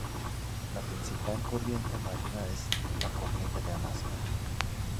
La principal corriente marina es la corriente de Alaska.